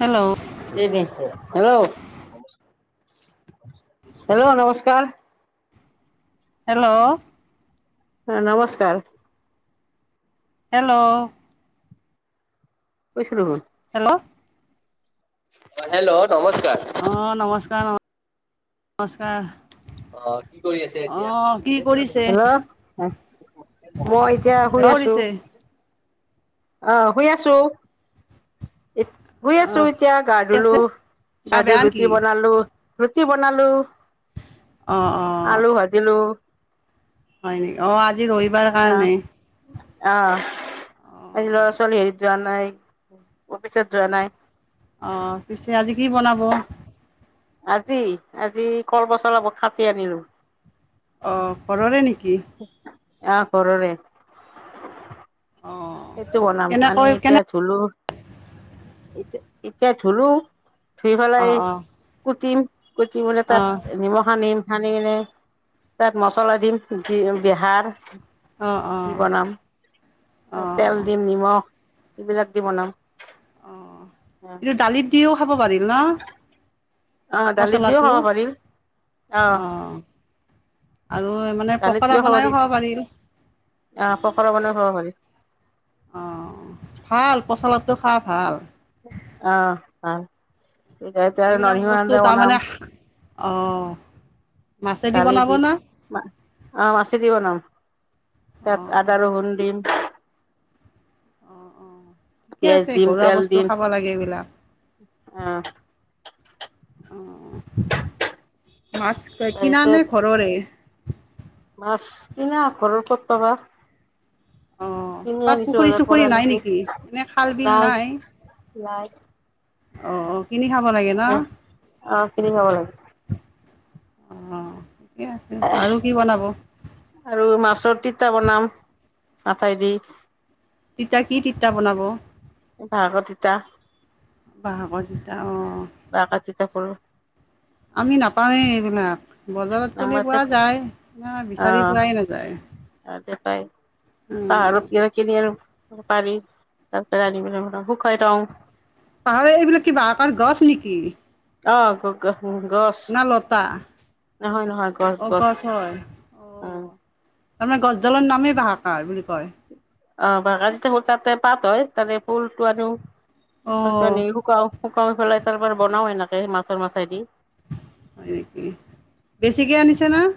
Hello এই বেগটো hello hello নমস্কাৰ হেল্ল' হ নমস্কাৰ হেল্ল' কৈছো ৰব অ অ হেল্ল' নমস্কাৰ অ নমস্কাৰ নমস্কাৰ অ কি কৰি আছে অ এতিয়া কি কৰিছে মই এতিয়া শুই আছো কৰিছে আহ শুই আছো শুই অ আছো কি এতিয়া গা ধুলো আছে গা ধই বেয়া ৰুটি নেকি বনালো ৰুটি বনালো অ অ আলু ভাজিলো হয় নেকি অ আজি ৰবিবাৰ আহ কাৰণে আহ অ আজি লৰা ছোৱালী হেৰিত যোৱা নাই অফিচত যোৱা নাই আহ পিছে আজি কি বনাব আজি আজি কল পচলা কাটি আনিলো অঁ ঘৰৰে নেকি আহ ঘৰৰে অ সেইটো বনাম আমি কেনেকৈ কেনে এতিয়া ধুলো এতিয়া এতিয়া ধুলো ধুই অ পেলাই অ কুটিম কুটি পেলাই অ তাত নিমখ সানিম। সানি কিনে তাত মছলা দিম, জি বেহাৰ অঁ, দি অঁ বনাম তাত তেল দিম, নিমখ এইবিলাক দি বনাম। অঁ দালিত দিওঁ খাব পাৰি ন'? অ দালিত দিও পচলাটো। খাব পাৰি অ অঁঁ আৰু মানে, দালিত পকৰা দিও পাৰি বনাইও খাব পাৰিম। অ পকৰা বনাই খাব পাৰি অঁ ভাল পচলাটোখা ভাল। অঁ, ভাল। এইটো এতিয়া নৰসিংহ আঞ্ছা বনাম। অঁ-হ্‌ দালি দি। মা অঁ, মাছে দি বনাম। তাত অঁ আদা, ৰচুন দিম। ঠিকে পিয়াজ আছে, দিম ঘৰুৱা তেল বস্তু দিম খাব লাগে অ এইবিলাক। অঁ, মাছ কে কিনা তাৰপিছত নে ঘৰৰে? মাছ কিনা। ঘৰৰ ক'ত পাবা? অঁ কিনি তাত আনিছোঁ, পুখুৰী বজাৰ চুখুৰী পৰা নাই আনিছে। নেকি এনে খাল বিল নাই ইয়াত। অঁ অঁ, কিনি খাব লাগে ন'? অ কিনি খাব লাগে অঁ ঠিকে আছে আৰু কি বনাব আৰু মাছৰ তিতা বনাম। মাঠাই দি। তিতা কি তিতা বনাব? বাহঁৰ তিতা। বাহঁৰ তিতা অঁ বাহৰ তিতা কৰো আমি নাপাওঁৱে এইবিলাক। বজাৰত আমাৰ গ'লে পোৱা যায়, না বিচাৰি পোৱাই নাযায়? পায়। অ পাহাৰত গৈ কিনি আনো। পাৰি। তাৰ পিছতে আনি পেলাই প্ৰথমতে শুকুৱাই থং। পাহাৰে, এইবিলাক কি বাহঁৰ গছ নেকি? অঁ, কক ফুল গছ? না লতা নহয়, নহয় গছ অ গছ। হয় অ অঁ। তাৰমানে, গছডালৰ নামেই বাহাঁগাজ্‌ বুলি কয়? অঁ, বাহঁগাজটো তাতে পাত হ'য়। তাতে ফুলটো আনো, অ তাপা আনি শুকোৱাওঁ। শুকাই পেলাই তাৰপৰা বনাও এনেকে মাছৰ মাথাই দি। ঠিকে আনিছে ন'?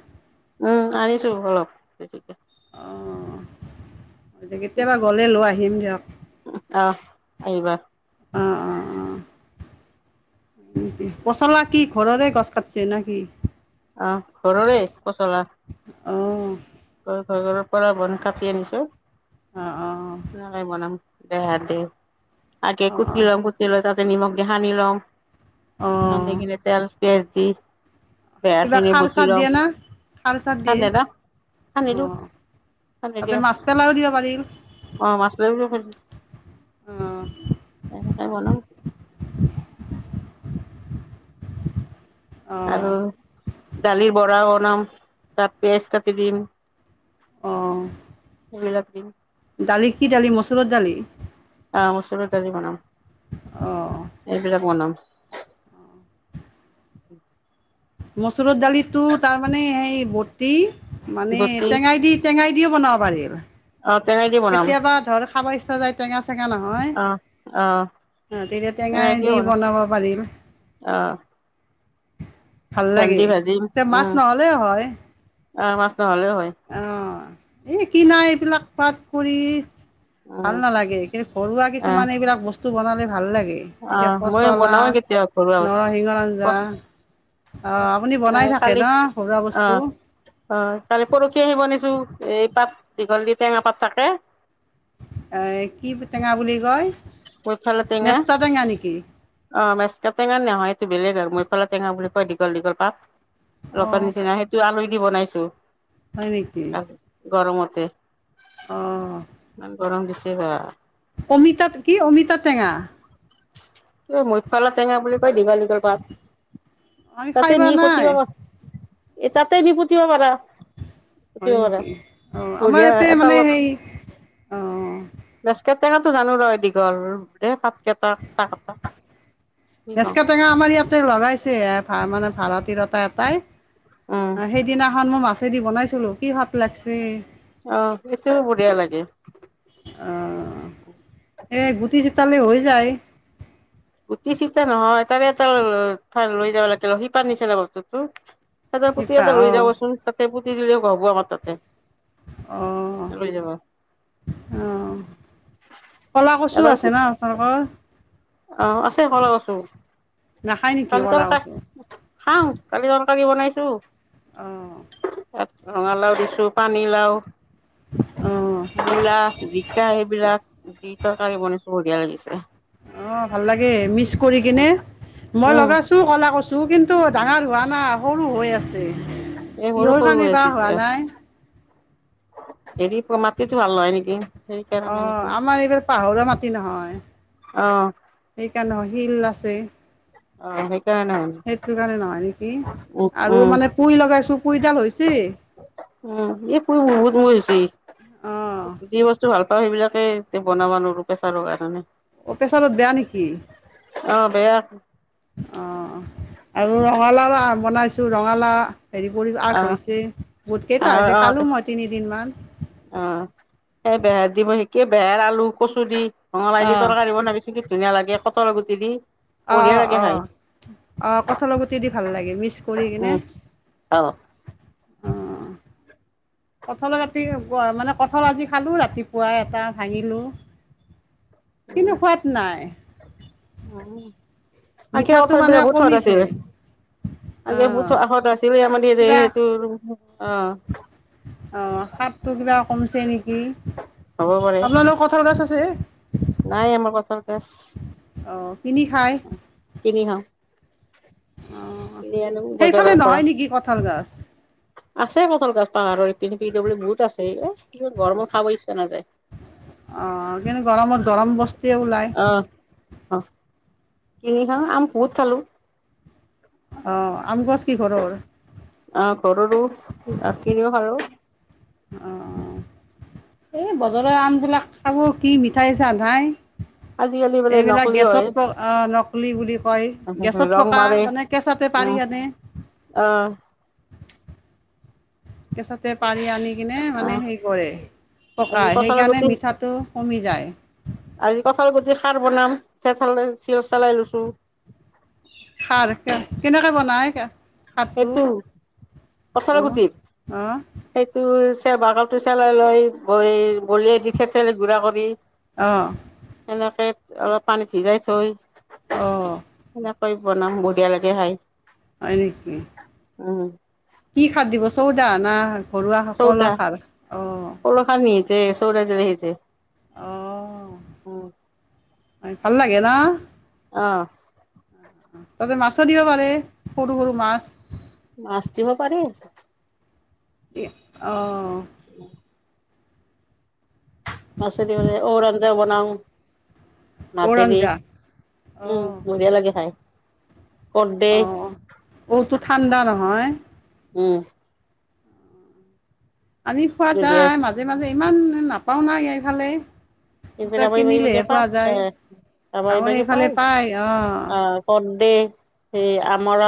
উম, আনিছো অলপ বেছিকে। অঁ, কেতিয়াবা গ'লে লৈ আহিম দিয়ক। আহ আহিবা। অঁ অঁ অঁ। পচলা কি ঘৰৰে গছ কাট্‌ছে না কি? অঁহ ঘৰৰে পচলা। অঁ ঘৰ ওচৰৰ পৰা বন কাটি আনিছো। অ অ মই বনাম। দে, দে আগে অ কুটি লম, কুটি লৈ তাতে নিমখ দি সানি লম। অ অ সানিকিনে তেল পিয়াজ দি কিবা বেয়াখিনি খাৰ চাৰ বতি দিয়ে লম। না খাৰ চাৰ দিয়ে আনগে যা আনি নিদিও, অ', তই তাতে নিদিয়? মাছ পেলাইও দিব পাৰিল অঁ, মাছ লৈ আহিবলে কৈ দিবি? অঁ এটাকে বনাম? আৰু অ', দালি, বৰা বনাম, তাত পিঁয়াজ কাটি দিম। আহ! এইবিলাক দালি কি দালি মচুৰৰ দালি? আহ মচুৰৰ দালি বনাম অ', এইবিলাক বনাম। উম। মচুৰৰ দালিটো তাৰ মানে সেই বটি মানে গোটেই টেঙাই দি টেঙাই দি বনাব পাৰি মানে। অ তেনে দি বনাম। খাব ইচ্ছা যায় টেঙা নহয় অ', অ', অ তেতিয়া টেঙাই দি বনাব পাৰিম। আহ! ভাল লাগে এতিয়া মাছ উম, নহলেও হয় অ', মাছ নহ'লেও হয় আহ। এই কিনা এইবিলাক পাত পৰি ভাল উম, নালাগে কিন্তু ঘৰুৱা কিছুমানে এইবিলাক বস্তু বনালে ভাল লাগে। এতিয়া আহ মই পচলা বনাও কেতিয়াবা ঘৰুৱা নৰসিংহৰ আঞ্জা বস্তু। অঁ আপুনি এ বনাই থাকে কালি ন ঘৰুৱা অ বস্তু আহ কালি পৰহি আহিব নিছো এই পাত দীঘল দি টেঙা পাত থাকে এ কি টেঙা বুলি কয়? মইফালে টেঙা মেষ্টা নেকি অ মেচকা টেঙা নেহয় এইটো বেলেগ আৰু মই সফালা টেঙা বুলি কয় দীঘল দীঘল পাত লগত অঁ নিচিনা সেইটো আলু দি বনাইছো। হয় আৰু গৰমতে আহ! সিবা! অমিতা কি অমিতা টেঙা। এই মুইফালা টেঙা বুলি কয় দীঘল দীঘল পাত। আমি খাই তাতে পোৱা নি পুতিব, নাই এ তাতে নি পুতিব পাৰা। কি হয় কৰা, নেকি অঁ আমাৰ বঢ়িয়া ইয়াতে মানে সেই এটালত অঁ বছ কেটেকাটো জানো ন দীঘল দে পাট কেইটা কটা কটা চিনি ভেচ পাওঁ কটেঙা আমাৰ ইয়াতে লগাইছে ভা মানে ভাৰতীয়া উম এটাই। সেইদিনাখন মই মাছেদি বনাইছিলো কি ভাল লাগছি। আহ সেইটোও বঢ়িয়া লাগে। এ গুটি গুচালে হৈ যায়। উটি চিটা নহয় তাৰে এটা লৈ যাব লাগিল সিপাৰ নিচিনা বস্তুতো। এটা পুতি শিপা এটা লৈ অঁ যাবচোন তাতে পুতি হলেও ভাবো আমাৰ তাতে। অহ লৈ যাব অহ! কলা কচু এডাল আছে না পুতি আপোনালোকৰ? অ আছে কলা কচু, নাখায় নেকি কালি ক'লা তৰ কচু খাও কালি তৰকাৰী বনাইছো। আহঁ! ইয়াত ৰঙালাও দিছো পানীলাও। অঁ ভূলা, জিকা এইবিলাক। দি তৰকাৰী বনাইছো বঢ়িয়া লাগিছে। অ ভাল লাগে মিচ কৰি কিনে মই উম, লগাইছো কলা কছো। কিন্তু ডাঙৰ হোৱা নাই সৰু হৈ আছে, এই সৰু কিহৰ সৰু হৈ কাৰণে আছে বয়া হোৱা এতিয়া। নাই? হেৰি মাতিতো ভাল নহয় নেকি? অ সেইকাৰণে নেকি আমাৰ এইবাৰ পাহৰৰ মাটি নহয় অ', সেইকাৰণে হয়। শিল আছে। অ', সেইকাৰণে হয়। সেইটো কাৰণে নহয় নেকি উম, আৰু উম, মানে পুই লগাইছো পুইডাল হৈছে। ছি উম, এই পু বহুত মই হৈছে, অঁ যি বস্তু ভাল সেইবিলাকে এতিয়া বনাবা নোৱাৰো প্ৰেছাৰৰ কাৰণে। অ পেছাৰত বেয়া নেকি? অ', বেয়া অ আৰু ৰঙালাও বনাইছো ৰঙালা হেৰি কৰি আ অ', কৈছে, বহুত কেইটা অ', হৈছে অ', খালো মই তিনিদিন মান। অ, সেই বেহেৰ দিব সিকে বেহেৰ, আলু, কচু দি ৰঙলাই দি অঁ তৰকাৰী বনাবিছো কি ধুনীয়া লাগে কটৰ গুটি দি। অ অ বঢ়িয়া লাগে অ খাই অ, কঠল গুটি দি ভাল লাগে মিক্স কৰি কিনে। উম, অ। অ। কঠলৰ ৰাতি মানে কঠল আজি খালো ৰাতিপুৱা এটা ভাঙিলো। কিন্তু সোৱাত নাই। আনকি মিঠাটো মানে কঠৰবিলাক বহুত হৰ কমিছে আছিল। আে [inaudible] অঁ মঁত আছিল আমাৰ সেইটো অ অ হাতটো কিবা কমছে নেকি? হ'ব পাৰে আপোনালোকৰ কঠাল গাছ আছ ছে? নাই আমাৰ কঁঠল গাছ অঁ কিনি খায় কিনি খাওঁ। কিনি আনো সেইফালে বজাৰৰ পৰা। নহয় নেকি কঁঠাল গছ আছে কঁঠল গাছ পাহাৰৰ ই পি পিডবলি বহুত আছে এ কিন্ত ঘৰ মোৰ খাব ইচ্ছা নাযায়। আহ কিন্তু গৰমত গৰম বস্তুৱে ওলায়। অ অ কিনি খাও আম বহুত খালো। অ আম গছ কি ঘৰৰ? আহ কৰো ত ৰাতি দি খালো। অঁ এই বজাৰৰ আমবিলাক খাব কি মিঠাই চা নাই? আজিকালি বোলে এইবিলাক নকলি হয় গেছত প নকলি বুলি কয়, গেছত ৰং পকা মাৰে মানে কেছত তে পাৰি উম আনে। আহ। কেচাতে পাৰি আনি কিনে মানে আহ হেৰি কৰে আজি পকায়, কঁঠালৰ সেইকাৰণে গুটি মিঠাটো কমি যায়। আজি কঁঠাল কাৰ বনাম থিঠলে [unintelligible] চিল চলাই লৈছো। খাৰ কেনেকে বনাই কে সেইটো কঁঠাল অঁ গুটি অঁ সেইটো ৰ বাগলটো চেলাই লৈ ব বলিয়ে দি থেতে গুড়া কৰি। অঁ [unintelligible] এনেক অলপ পানীত সিজাই থৈয়। অহ। কৈ বনাম বঢ়িয়া লাগে খাই। হয় নিকি? উম। কি খাদ দিব চৌদা না? ঘৰুৱা সকলৰ চৌটা, খাৰ অঁ ল খান নিছে চৌত [unintelligible] অ' উম [inaudible] ভাল লাগে ন? অ। তাতে মাছো দিব পাৰে, সৰু- সৰু মাছ। মাছ দিব পাৰি? এ অ। উম। মাছে দিবলে ঔৰ আঞ্জা বনাও। ঔৰ মাছেদি আঞ্জা উম অ' বঢ়িয়া লাগে খায়। অ ঔটো ঠাণ্ডা নহয়। উম। আমি খোৱা বঢ়িয়া যায় মাজে মাজে ইমান নাপাওঁ নাই ইফালে। [unintelligible] সেই গাঁৱৰ সেইফালে পায় অ' আমাৰ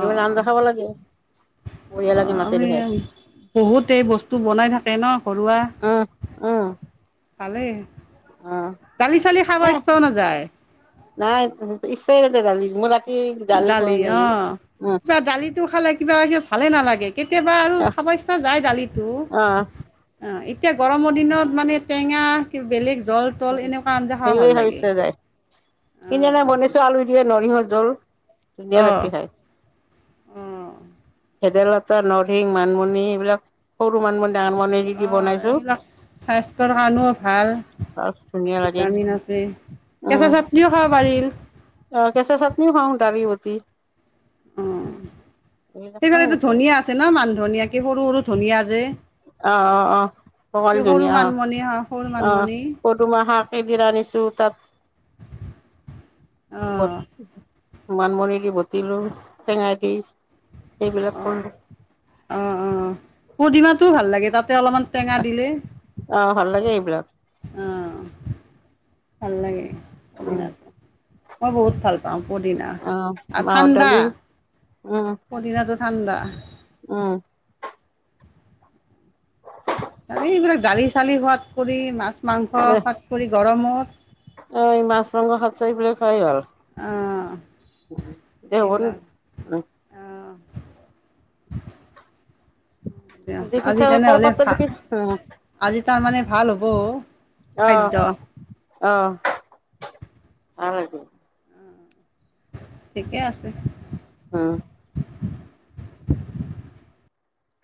এইবোৰ আঞ্জা খাব লাগে বঢ়িয়া লাগে মাছেদি খাই। বহুতে বস্তু বনাই থাকে ন ঘৰুৱা উম ভালেই। অঁ দালি চালি খাব নাই ইচ্ছাও নাযায়। নাই ইচ্ছাই নাযায় দালি। [unintelligible] খোৱাই দালি নাই। অ উম কিবা দালিটো খালে কিবা কিবি ভালে নালাগে। কেতিয়াবা আৰু আহ খাব ইচ্ছা যায় দালিটো, অ' এতিয়া গৰমৰ দিনত মানে টেঙা কিবা বেলেগ জল তল এনেকুৱা আঞ্জা হেৰি ভাল কৰি খাব লাগে ইচ্ছা যায়, কিনে নাই বনিছে আলু ৰে নৰসিংহ জুল, ধুনীয়া লাগিছে খাই। আঁহ। ভেদাইলতা নৰসিংহ মানিমুনি এইবিলাক সৰু মানিমুনি ডাঙৰ মানিমুনি অ দি বনাইছো। এইবিলাক স্বাস্থ্যৰ কাৰণেও ভাল। আৰু ধুনীয়া লাগে। ভিটামিন আছে উম কেঁচা চাটনিও খাব পাৰিল। অ কচা চাটনিও খাওঁ দাৰি বটি। অ সেইফালতো গোটেই ধুনিয়া আছে ন মানধুনিয়া কে সৰু সৰু ধুনীয়া যে? অ' অ' সে সৰু মানমনিয়া হ আহ পদুমাহ শাক একদিন আনিছো তাত অ বট মানিমুনি দি বটিলো টেঙাই দি। এইবিলাক কৰলো। পুদিনাটো ভাল লাগে তাত তে অলপমান টেঙা দিলে। অ', ভাল লাগে এইবিলাক। অঁ। ভাল লাগে উম। পুদিনাটো। মই বহুত ভাল প পাওঁ পুদিনা অ', আৰু মাহৰ ঠাণ্ডা। দালি উম, পুদিনাটো ঠাণ্ডা। উম, আৰু এইবিলাক দালি চালি খোৱাত কৰি মাছ মাংস দে খোৱাদ কৰি গৰমত অ এই মাছ মাংস খোৱাতচে এইবোৰে খোৱাই ভাল। অ', দে এইবিলাক হ অ', আজি পিঠা তেনেহ'লে কলপাতত দি পিঠা উম, আজি তাৰমানে ভাল হ'ব খাদ্য? আহ ভাল আজি। ঠিকে আছে। হ'ম।